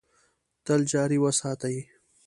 تل جاري وساتي .